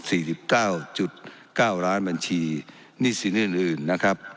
สิบเก้าจุดเก้าล้านบัญชีหนี้สินอื่นอื่นนะครับ